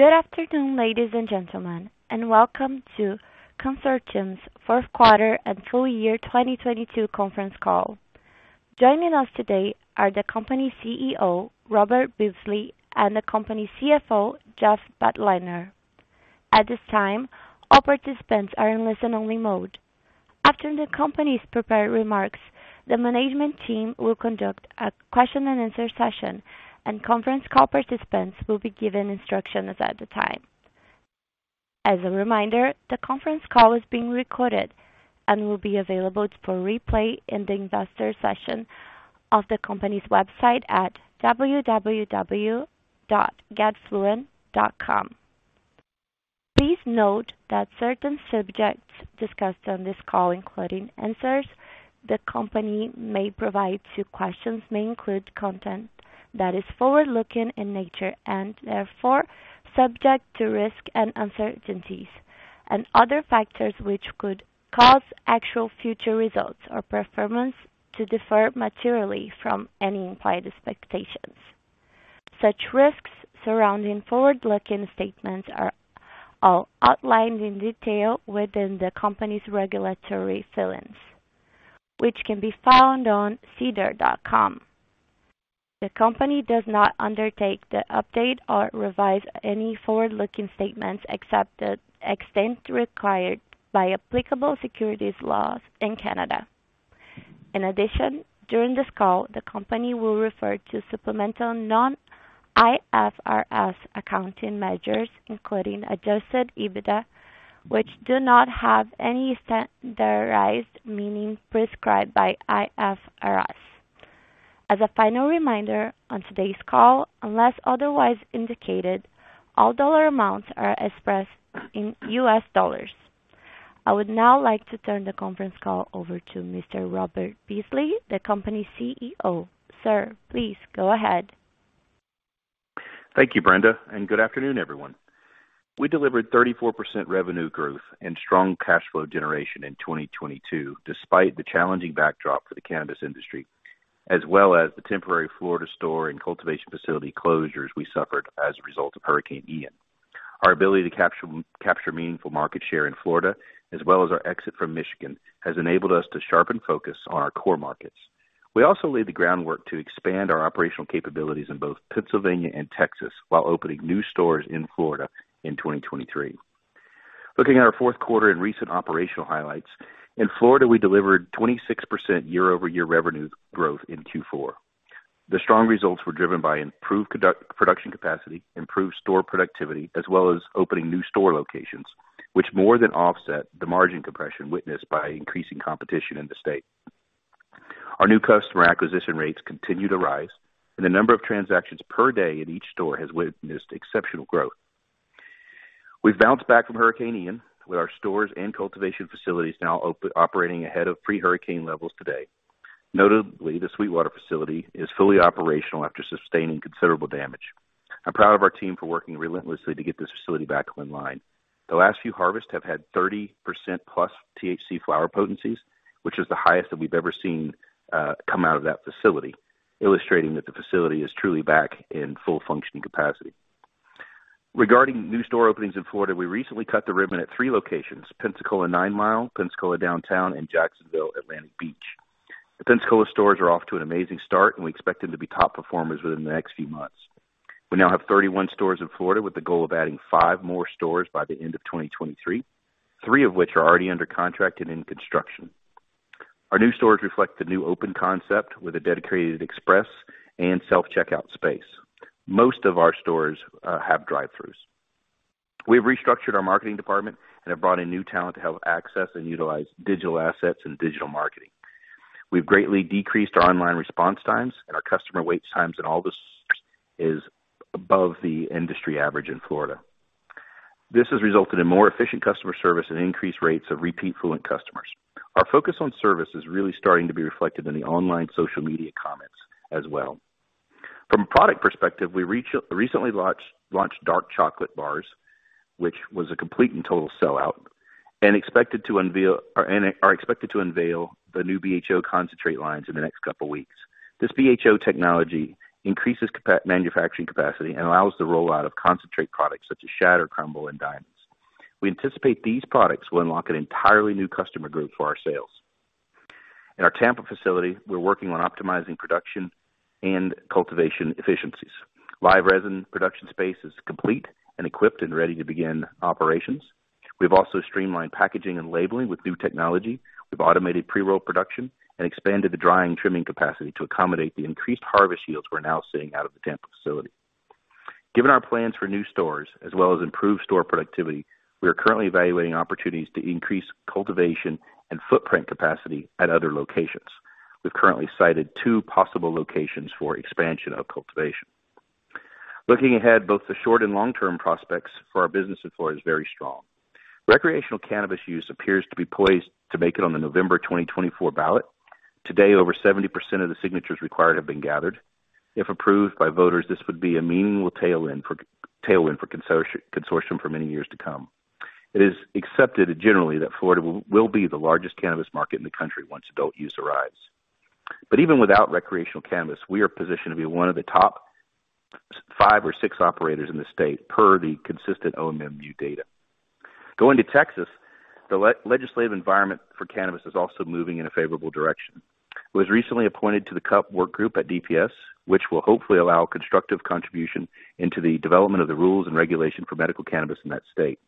Good afternoon, ladies and gentlemen, welcome to Cansortium's fourth quarter and full year 2022 conference call. Joining us today are the company CEO, Robert Beasley, and the company CFO, Jeff Batliner. At this time, all participants are in listen-only mode. After the company's prepared remarks, the management team will conduct a question and answer session, and conference call participants will be given instructions at the time. As a reminder, the conference call is being recorded and will be available for replay in the investor session of the company's website at www.getfluent.com. Please note that certain subjects discussed on this call, including answers the company may provide to questions, may include content that is forward-looking in nature and therefore subject to risks and uncertainties and other factors which could cause actual future results or performance to differ materially from any implied expectations. Such risks surrounding forward-looking statements are all outlined in detail within the company's regulatory filings, which can be found on SEDAR.com. The company does not undertake to update or revise any forward-looking statements except the extent required by applicable securities laws in Canada. In addition, during this call, the company will refer to supplemental non-IFRS accounting measures, including adjusted EBITDA, which do not have any standardized meaning prescribed by IFRS. As a final reminder, on today's call, unless otherwise indicated, all dollar amounts are expressed in US dollars. I would now like to turn the conference call over to Mr. Robert Beasley, the company's CEO. Sir, please go ahead. Thank you, Brenda. Good afternoon, everyone. We delivered 34% revenue growth and strong cash flow generation in 2022 despite the challenging backdrop for the cannabis industry, as well as the temporary Florida store and cultivation facility closures we suffered as a result of Hurricane Ian. Our ability to capture meaningful market share in Florida as well as our exit from Michigan, has enabled us to sharpen focus on our core markets. We also laid the groundwork to expand our operational capabilities in both Pennsylvania and Texas while opening new stores in Florida in 2023. Looking at our Q4 and recent operational highlights. In Florida, we delivered 26% year-over-year revenue growth in Q4. The strong results were driven by improved production capacity, improved store productivity, as well as opening new store locations, which more than offset the margin compression witnessed by increasing competition in the state. Our new customer acquisition rates continue to rise, and the number of transactions per day in each store has witnessed exceptional growth. We've bounced back from Hurricane Ian, with our stores and cultivation facilities now operating ahead of pre-hurricane levels today. Notably, the Sweetwater facility is fully operational after sustaining considerable damage. I'm proud of our team for working relentlessly to get this facility back online. The last few harvests have had 30% plus THC flower potencies, which is the highest that we've ever seen come out of that facility, illustrating that the facility is truly back in full functioning capacity. Regarding new store openings in Florida, we recently cut the ribbon at 3 locations Pensacola Nine Mile, Pensacola Downtown and Jacksonville Atlantic Beach. The Pensacola stores are off to an amazing start, and we expect them to be top performers within the next few months. We now have 31 stores in Florida, with the goal of adding 5 more stores by the end of 2023, 3 of which are already under contract and in construction. Our new stores reflect the new open concept with a dedicated express and self-checkout space. Most of our stores have drive-throughs. We've restructured our marketing department and have brought in new talent to help access and utilize digital assets and digital marketing. We've greatly decreased our online response times and our customer wait times in all the stores are above the industry average in Florida. This has resulted in more efficient customer service and increased rates of repeat FLUENT customers. Our focus on service is really starting to be reflected in the online social media comments as well. From a product perspective, we recently launched dark chocolate bars, which was a complete and total sellout, and are expected to unveil the new BHO concentrate lines in the next couple weeks. This BHO technology increases manufacturing capacity and allows the rollout of concentrate products such as shatter, crumble, and diamonds. We anticipate these products will unlock an entirely new customer group for our sales. In our Tampa facility, we're working on optimizing production and cultivation efficiencies. Live resin production space is complete and equipped and ready to begin operations. We've also streamlined packaging and labeling with new technology. We've automated pre-roll production and expanded the drying trimming capacity to accommodate the increased harvest yields we're now seeing out of the Tampa facility. Given our plans for new stores as well as improved store productivity, we are currently evaluating opportunities to increase cultivation and footprint capacity at other locations. We've currently sited two possible locations for expansion of cultivation. Looking ahead, both the short and long-term prospects for our business in Florida is very strong. Recreational cannabis use appears to be poised to make it on the November 2024 ballot. Today, over 70% of the signatures required have been gathered. If approved by voters, this would be a meaningful tailwind for Cansortium for many years to come. It is accepted generally that Florida will be the largest cannabis market in the country once adult use arrives. Even without recreational cannabis, we are positioned to be one of the top 5 or 6 operators in the state per the consistent OMMU data. Going to Texas, the legislative environment for cannabis is also moving in a favorable direction. I was recently appointed to the CUP work group at DPS, which will hopefully allow constructive contribution into the development of the rules and regulation for medical cannabis in that state.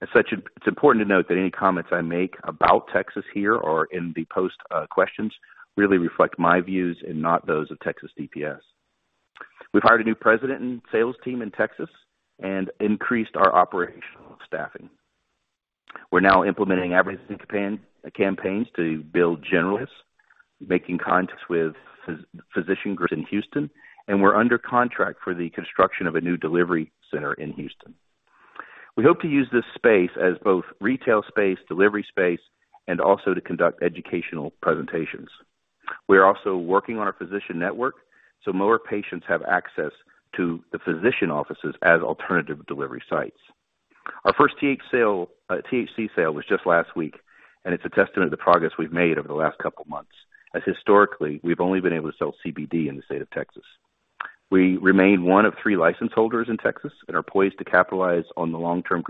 As such, it's important to note that any comments I make about Texas here or in the post questions really reflect my views and not those of Texas DPS. We've hired a new president and sales team in Texas and increased our operational staffing. We're now implementing advertising campaigns to build generate leads, making contacts with physician groups in Houston, and we're under contract for the construction of a new delivery center in Houston. We hope to use this space as both retail space, delivery space, and also to conduct educational presentations. We are also working on our physician network, so more patients have access to the physician offices as alternative delivery sites. Our first THC sale was just last week, and it's a testament to the progress we've made over the last couple of months, as historically, we've only been able to sell CBD in the state of Texas. We remain one of three license holders in Texas and are poised to capitalize on the long-term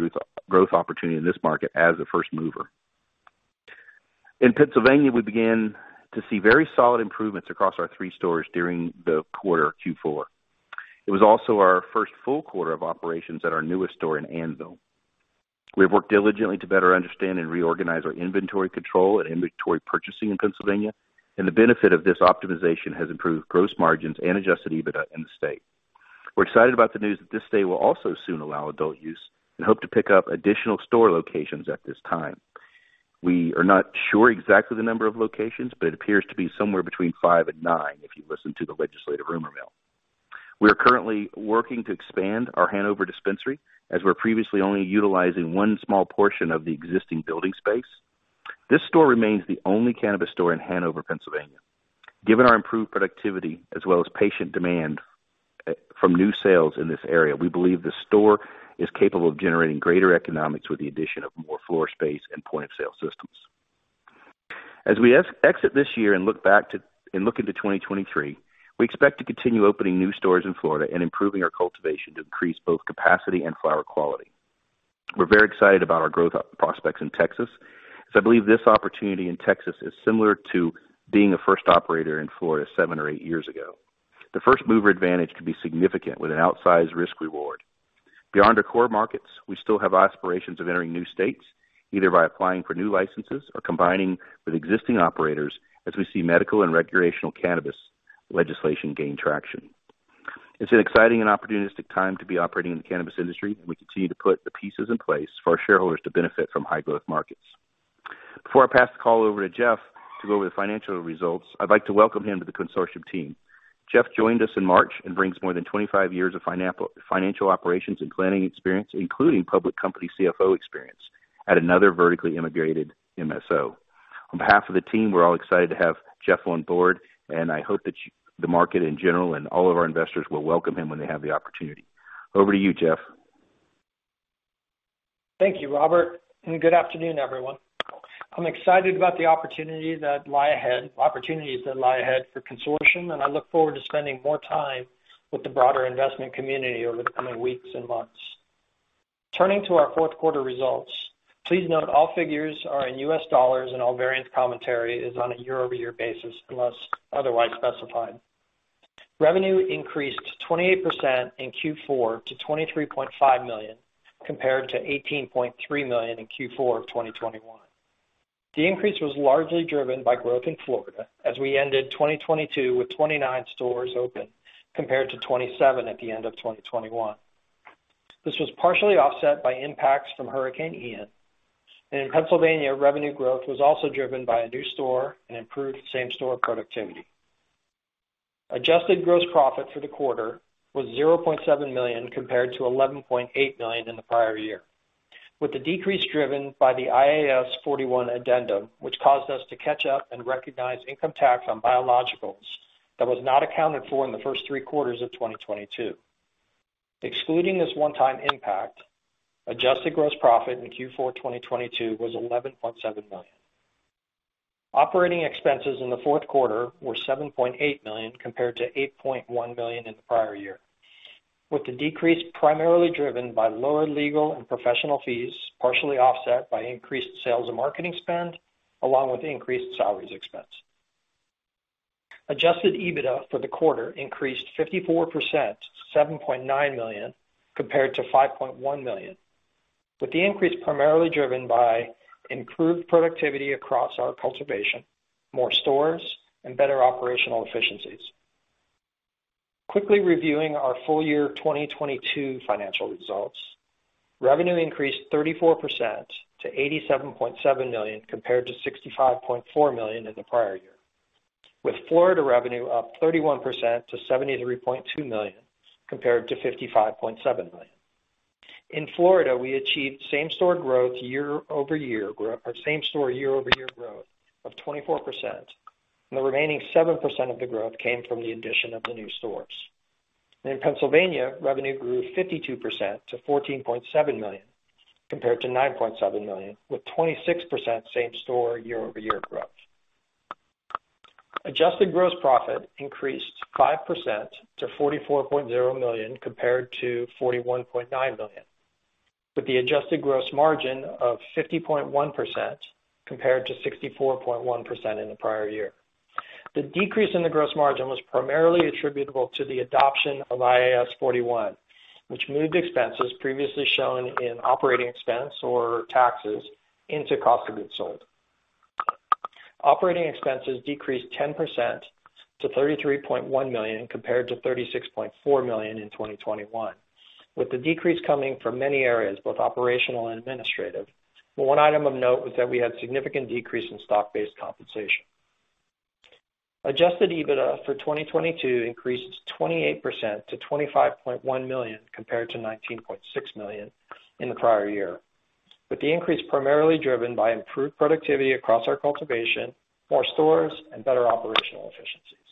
growth opportunity in this market as a first mover. In Pennsylvania, we began to see very solid improvements across our three stores during the quarter Q4. It was also our first full quarter of operations at our newest store in Annville. We have worked diligently to better understand and reorganize our inventory control and inventory purchasing in Pennsylvania, and the benefit of this optimization has improved gross margins and adjusted EBITDA in the state. We're excited about the news that this state will also soon allow adult use and hope to pick up additional store locations at this time. We are not sure exactly the number of locations, but it appears to be somewhere between 5 and 9 if you listen to the legislative rumor mill. We are currently working to expand our Hanover dispensary, as we're previously only utilizing 1 small portion of the existing building space. This store remains the only cannabis store in Hanover, Pennsylvania. Given our improved productivity as well as patient demand from new sales in this area, we believe the store is capable of generating greater economics with the addition of more floor space and point-of-sale systems. As we exit this year and look into 2023, we expect to continue opening new stores in Florida and improving our cultivation to increase both capacity and flower quality. We're very excited about our growth prospects in Texas, as I believe this opportunity in Texas is similar to being a first operator in Florida 7 or 8 years ago. The first-mover advantage can be significant with an outsized risk reward. Beyond our core markets, we still have aspirations of entering new states, either by applying for new licenses or combining with existing operators as we see medical and recreational cannabis legislation gain traction. It's an exciting and opportunistic time to be operating in the cannabis industry, and we continue to put the pieces in place for our shareholders to benefit from high-growth markets. Before I pass the call over to Jeff to go over the financial results, I'd like to welcome him to the Cansortium team. Jeff joined us in March and brings more than 25 years of financial operations and planning experience, including public company CFO experience at another vertically integrated MSO. On behalf of the team, we're all excited to have Jeff on board, and I hope that the market in general and all of our investors will welcome him when they have the opportunity. Over to you, Jeff. Thank you, Robert, and good afternoon, everyone. I'm excited about the opportunities that lie ahead for Cansortium, and I look forward to spending more time with the broader investment community over the coming weeks and months. Turning to our Q4 results, please note all figures are in US dollars and all variance commentary is on a year-over-year basis unless otherwise specified. Revenue increased 28% in Q4 to $23.5 million, compared to $18.3 million in Q4 of 2021. The increase was largely driven by growth in Florida as we ended 2022 with 29 stores open, compared to 27 at the end of 2021. This was partially offset by impacts from Hurricane Ian. In Pennsylvania, revenue growth was also driven by a new store and improved same-store productivity. Adjusted gross profit for the quarter was $0.7 million compared to $11.8 million in the prior year, with the decrease driven by the IAS 41 addendum, which caused us to catch up and recognize income tax on biologicals that was not accounted for in the first three quarters of 2022. Excluding this one-time impact, adjusted gross profit in Q4 2022 was $11.7 million. Operating expenses in the Q4 were $7.8 million compared to $8.1 million in the prior year, with the decrease primarily driven by lower legal and professional fees, partially offset by increased sales and marketing spend, along with increased salaries expense. Adjusted EBITDA for the quarter increased 54% to $7.9 million compared to $5.1 million, with the increase primarily driven by improved productivity across our cultivation, more stores, and better operational efficiencies. Quickly reviewing our full year 2022 financial results. Revenue increased 34% to $87.7 million compared to $65.4 million in the prior year, with Florida revenue up 31% to $73.2 million, compared to $55.7 million. In Florida, we achieved same-store year-over-year growth of 24%. The remaining 7% of the growth came from the addition of the new stores. In Pennsylvania, revenue grew 52% to $14.7 million compared to $9.7 million, with 26% same-store year-over-year growth. Adjusted gross profit increased 5% to $44.0 million compared to $41.9 million, with the adjusted gross margin of 50.1% compared to 64.1% in the prior year. The decrease in the gross margin was primarily attributable to the adoption of IAS 41, which moved expenses previously shown in operating expense or taxes into cost of goods sold. Operating expenses decreased 10% to $33.1 million compared to $36.4 million in 2021, with the decrease coming from many areas, both operational and administrative. One item of note was that we had significant decrease in stock-based compensation. Adjusted EBITDA for 2022 increased 28% to $25.1 million compared to $19.6 million in the prior year, with the increase primarily driven by improved productivity across our cultivation, more stores and better operational efficiencies.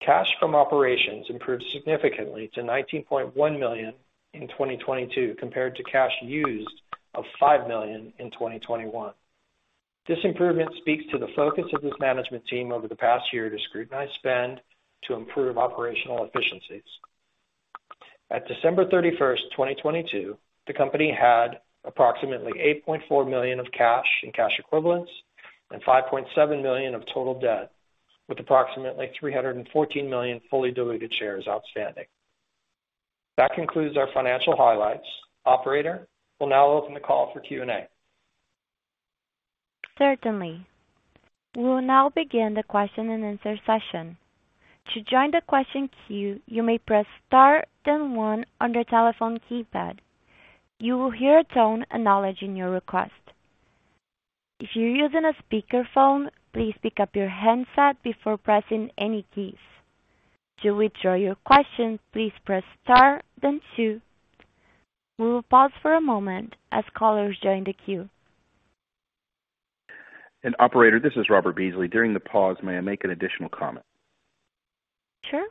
Cash from operations improved significantly to $19.1 million in 2022 compared to cash used of $5 million in 2021. This improvement speaks to the focus of this management team over the past year to scrutinize spend to improve operational efficiencies. At December 31, 2022, the company had approximately $8.4 million of cash and cash equivalents and $5.7 million of total debt, with approximately 314 million fully diluted shares outstanding. That concludes our financial highlights. Operator, we'll now open the call for Q&A. Certainly. We will now begin the question-and-answer session. To join the question queue, you may press star then one on your telephone keypad. You will hear a tone acknowledging your request. If you're using a speakerphone, please pick up your handset before pressing any keys. To withdraw your question, please press star then two. We will pause for a moment as callers join the queue. Operator, this is Robert Beasley. During the pause, may I make an additional comment? Sure.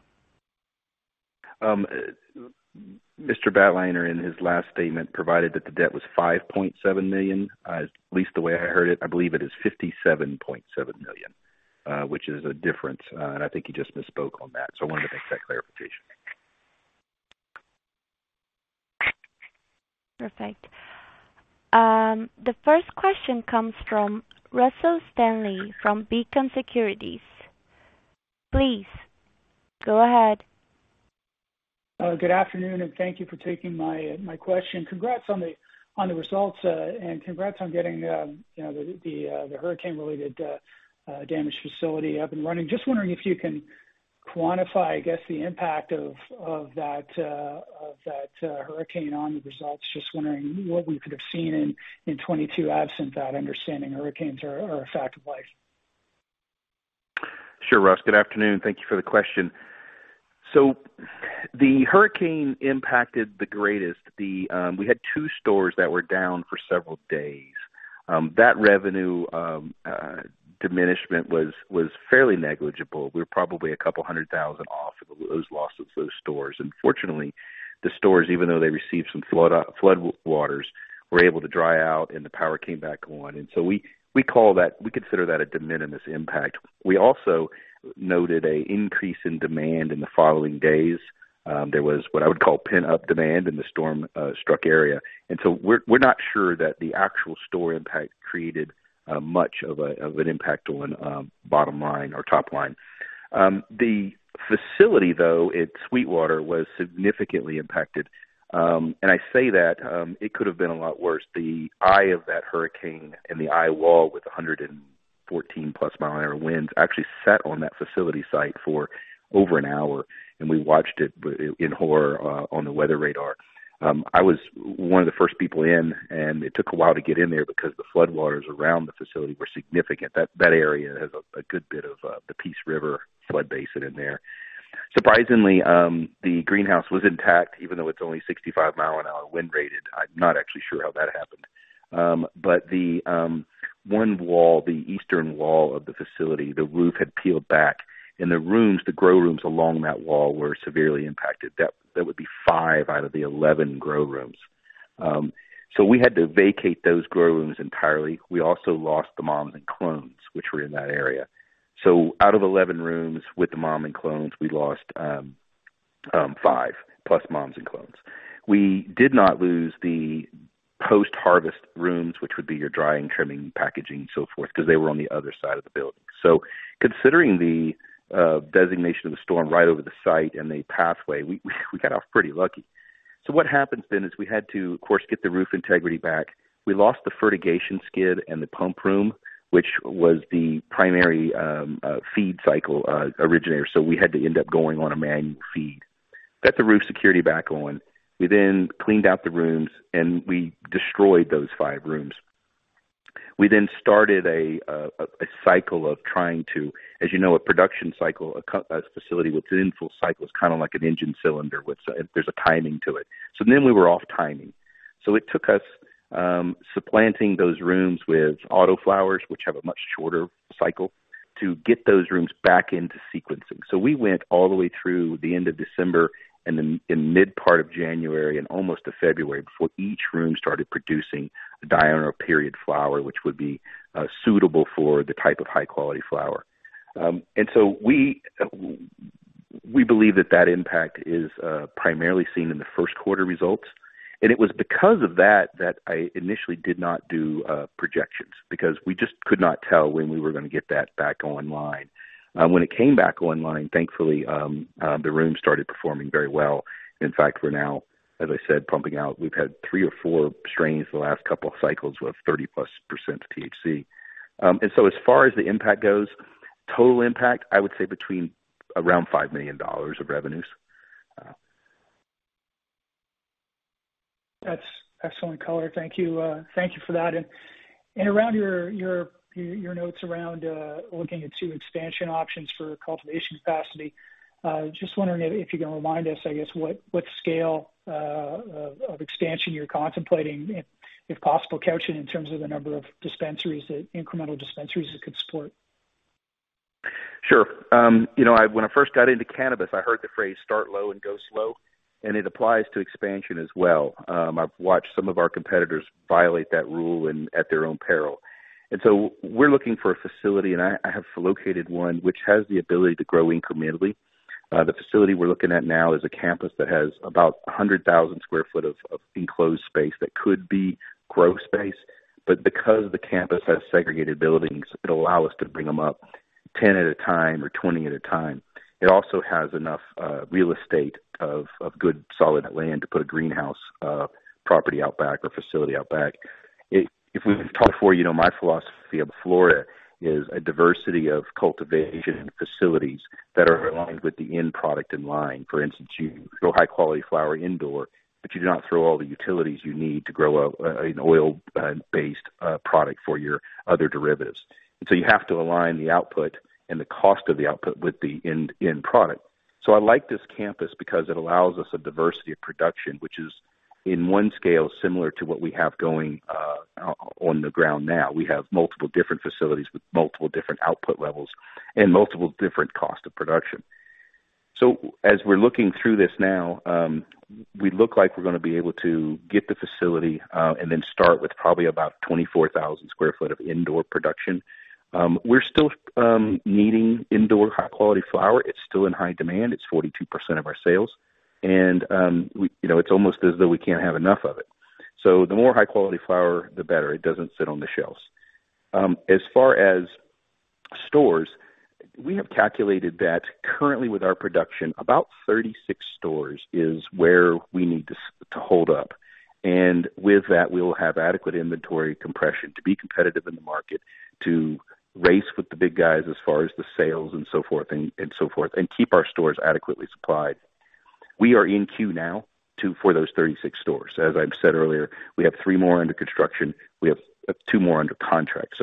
Mr. Batliner, in his last statement, provided that the debt was $5.7 million, at least the way I heard it. I believe it is $57.7 million, which is a difference. I think he just misspoke on that. I wanted to make that clarification. Perfect. The first question comes from Russell Stanley from Beacon Securities. Please go ahead. Good afternoon. Thank you for taking my question. Congrats on the results and congrats on getting, you know, the hurricane-related damaged facility up and running. Just wondering if you can quantify, I guess, the impact of that hurricane on the results. Just wondering what we could have seen in 22 absent that, understanding hurricanes are a fact of life. Sure, Russ. Good afternoon. Thank you for the question. The hurricane impacted the greatest. We had 2 stores that were down for several days. That revenue diminishment was fairly negligible. We were probably $200,000 off of those losses of those stores. Fortunately, the stores, even though they received some floodwaters, were able to dry out and the power came back on. We call that, we consider that a de minimis impact. We also noted an increase in demand in the following days. There was what I would call pent-up demand in the storm struck area. We're not sure that the actual store impact created much of an impact on bottom line or top line. The facility, though, at Sweetwater was significantly impacted. I say that it could have been a lot worse. The eye of that hurricane and the eye wall with 114 plus mile an hour winds actually sat on that facility site for over an hour, and we watched it in horror on the weather radar. I was one of the first people in, and it took a while to get in there because the floodwaters around the facility were significant. That area has a good bit of the Peace River flood basin in there. Surprisingly, the greenhouse was intact, even though it's only 65 mile an hour wind rated. I'm not actually sure how that happened. The one wall, the eastern wall of the facility, the roof had peeled back, and the rooms, the grow rooms along that wall were severely impacted. That would be 5 out of the 11 grow rooms. We had to vacate those grow rooms entirely. We also lost the moms and clones which were in that area. Out of 11 rooms with the mom and clones, we lost 5-plus moms and clones. We did not lose the post-harvest rooms, which would be your drying, trimming, packaging, so forth, because they were on the other side of the building. Considering the designation of the storm right over the site and the pathway, we got off pretty lucky. What happens then is we had to, of course, get the roof integrity back. We lost the fertigation skid and the pump room, which was the primary feed cycle originator, so we had to end up going on a manual feed. Got the roof security back on. We cleaned out the rooms, and we destroyed those five rooms. We started a cycle. As you know, a production cycle, a facility with in full cycle is kind of like an engine cylinder with there's a timing to it. We were off timing. It took us supplanting those rooms with autoflowers, which have a much shorter cycle to get those rooms back into sequencing. We went all the way through the end of December and then in mid part of January and almost to February before each room started producing a diurnal period flower, which would be suitable for the type of high quality flower. We believe that that impact is primarily seen in the Q1 results. It was because of that I initially did not do projections because we just could not tell when we were going to get that back online. When it came back online, thankfully, the room started performing very well. In fact, we're now, as I said, pumping out. We've had 3 or 4 strains the last couple of cycles with 30+% THC. As far as the impact goes, total impact, I would say between around $5 million of revenues. That's excellent, Robert. Thank you. Thank you for that. Around your notes around looking into expansion options for cultivation capacity. Just wondering if you can remind us, I guess, what scale of expansion you're contemplating, if possible, couching in terms of the number of incremental dispensaries it could support. Sure. you know, when I first got into cannabis, I heard the phrase start low and go slow, and it applies to expansion as well. I've watched some of our competitors violate that rule and at their own peril. We're looking for a facility, and I have located one which has the ability to grow incrementally. The facility we're looking at now is a campus that has about 100,000 sq ft of enclosed space that could be grow space. Because the campus has segregated buildings, it'll allow us to bring them up 10 at a time or 20 at a time. It also has enough real estate of good solid land to put a greenhouse property out back or facility out back. If we've talked before, you know, my philosophy of Florida is a diversity of cultivation facilities that are aligned with the end product in line. For instance, you grow high quality flower indoor, but you do not throw all the utilities you need to grow an oil based product for your other derivatives. You have to align the output and the cost of the output with the end product. I like this campus because it allows us a diversity of production, which is in one scale, similar to what we have going on the ground now. We have multiple different facilities with multiple different output levels and multiple different cost of production. As we're looking through this now, we look like we're going to be able to get the facility and then start with probably about 24 sq ft of indoor production. We're still needing indoor high quality flower. It's still in high demand. It's 42% of our sales. We, you know, it's almost as though we can't have enough of it. The more high quality flower, the better. It doesn't sit on the shelves. As far as stores, we have calculated that currently with our production, about 36 stores is where we need to hold up. With that, we will have adequate inventory compression to be competitive in the market, to race with the big guys as far as the sales and so forth, and keep our stores adequately supplied. We are in queue now for those 36 stores. As I've said earlier, we have 3 more under construction. We have 2 more under contract.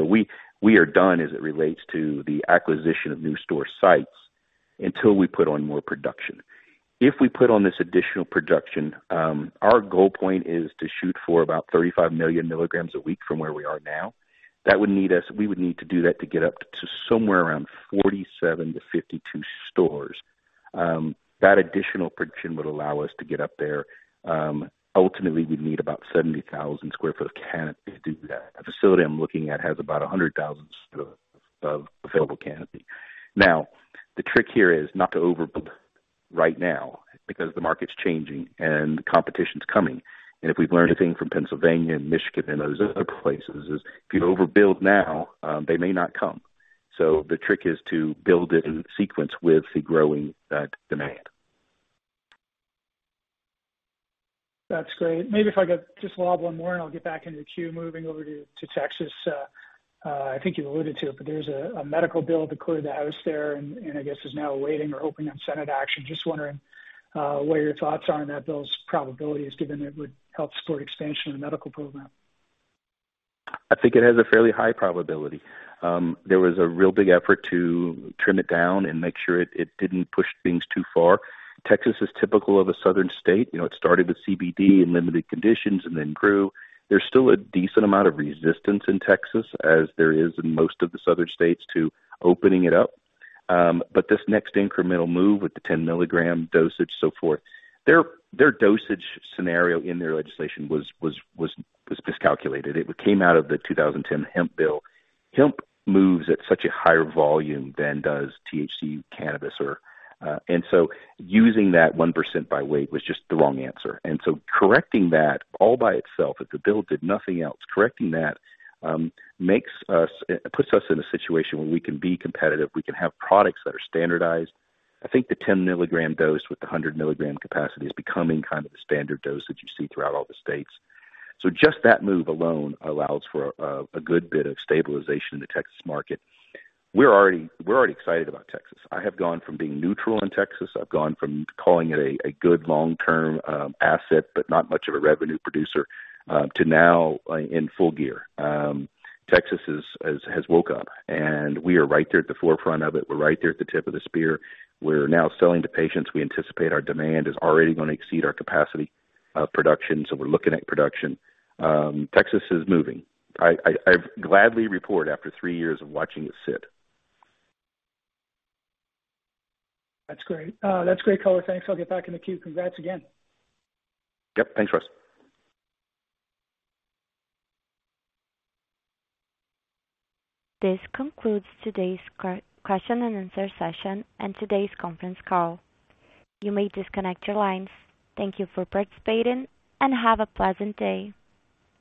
We are done as it relates to the acquisition of new store sites until we put on more production. If we put on this additional production, our goal point is to shoot for about 35 million milligrams a week from where we are now. We would need to do that to get up to somewhere around 47-52 stores. That additional production would allow us to get up there. Ultimately, we'd need about 70,000 sq ft of canopy to do that. The facility I'm looking at has about 100,000 sq ft of available canopy. The trick here is not to overbuild right now because the market's changing and the competition's coming. If we've learned anything from Pennsylvania and Michigan and those other places, is if you overbuild now, they may not come. The trick is to build it in sequence with the growing demand. That's great. Maybe if I could just lob one more and I'll get back into queue. Moving over to Texas. I think you alluded to it, but there's a medical bill that cleared the House there, I guess is now waiting or hoping on Senate action. Just wondering what your thoughts are on that bill's probability is, given it would help support expansion of the medical program. I think it has a fairly high probability. There was a real big effort to trim it down and make sure it didn't push things too far. Texas is typical of a southern state. You know, it started with CBD in limited conditions and then grew. There's still a decent amount of resistance in Texas as there is in most of the southern states to opening it up. This next incremental move with the 10 milligram dosage, so forth. Their dosage scenario in their legislation was miscalculated. It came out of the 2010 hemp bill. Hemp moves at such a higher volume than does THC cannabis or, using that 1% by weight was just the wrong answer. Correcting that all by itself, if the bill did nothing else, correcting that, puts us in a situation where we can be competitive, we can have products that are standardized. I think the 10 milligram dose with the 100 milligram capacity is becoming kind of the standard dosage you see throughout all the states. Just that move alone allows for a good bit of stabilization in the Texas market. We're already excited about Texas. I have gone from being neutral in Texas. I've gone from calling it a good long-term asset, but not much of a revenue producer, to now in full gear. Texas has woke up, and we are right there at the forefront of it. We're right there at the tip of the spear. We're now selling to patients. We anticipate our demand is already going to exceed our capacity of production. We're looking at production. Texas is moving. I gladly report after three years of watching it sit. That's great. That's great, Robert. Thanks. I'll get back in the queue. Congrats again. Yep. Thanks, Russ. This concludes today's question and answer session and today's conference call. You may disconnect your lines. Thank you for participating and have a pleasant day.